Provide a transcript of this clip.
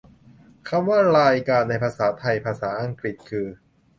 คำว่า "รายการ" ในภาษาไทย ภาษาอังกฤษคือ